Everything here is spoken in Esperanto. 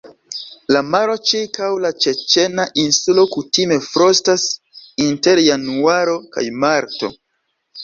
La maro ĉirkaŭ la Ĉeĉena Insulo kutime frostas inter Januaro kaj Marto.